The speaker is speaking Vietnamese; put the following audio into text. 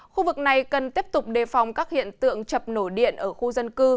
khu vực này cần tiếp tục đề phòng các hiện tượng chập nổ điện ở khu dân cư